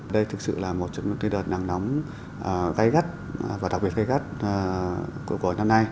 đây thực sự là một trong những đợt nắng nóng gây gắt và đặc biệt gây gắt của năm nay